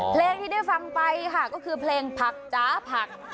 เพลงที่ได้ฟังไปค่ะก็คือเพลงผักจ๋าผัก